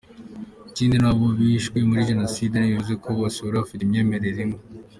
Ikindi n’abo bishwe muri Jenoside ntibivuze ko bose bari bafite imyemerere imwe.